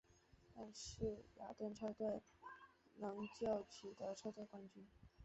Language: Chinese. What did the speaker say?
但是雅顿车队仍旧取得车队冠军。